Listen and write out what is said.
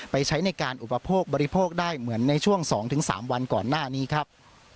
ใช้ในการอุปโภคบริโภคได้เหมือนในช่วง๒๓วันก่อนหน้านี้ครับ